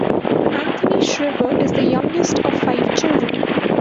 Anthony Shriver is the youngest of five children.